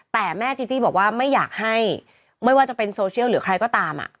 แต่แม่จีจี้บอกว่าไม่อยากให้ไม่ว่าจะเป็นโซเชียลหรือใครก็ตาม